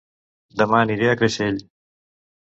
Dema aniré a Creixell